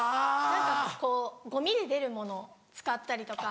何かこうゴミで出るものを使ったりとか。